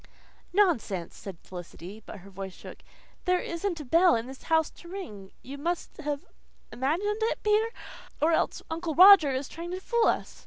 "Nonsense!" said Felicity, but her voice shook. "There isn't a bell in the house to ring. You must have imagined it, Peter. Or else Uncle Roger is trying to fool us."